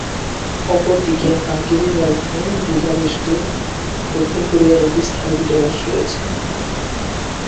অপরদিকে হাঙ্গেরির রাজধানী বুদাপেস্টে দক্ষিণ কোরিয়ার একটি স্থায়ী দূতাবাস রয়েছে।